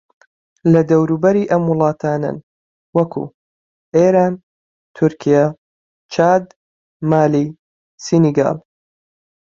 لە دەوروبەری ئەم وڵاتانەن وەکوو: ئێران، تورکیا، چاد، مالی، سینیگال